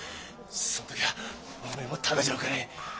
その時はお前もただじゃおかねえ。